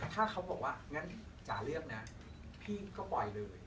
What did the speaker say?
ถ้าเขาบอกว่างั้นจ๋าเรียกนะพี่ก็ปล่อยเลย